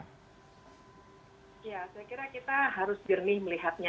ya saya kira kita harus jernih melihatnya